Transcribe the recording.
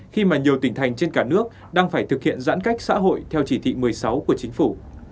khi mà nhiều tỉnh thành trên cả nước đang phải thực hiện giãn cách xã hội theo chỉ thị một mươi sáu của chính phủ